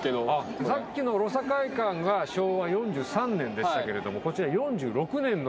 さっきのロサ会館が昭和４３年でしたけれどもこちら４６年の。